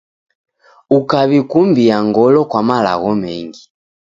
Ukaw'ikumbia ngolo kwa malagho mengi.